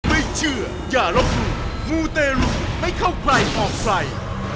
ไม่เชื่ออย่าลบหลู่มูเตรุไม่เข้าใครออกใคร